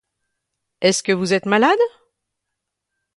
Est-ce que vous êtes malade?